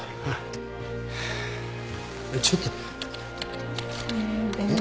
えっちょっと。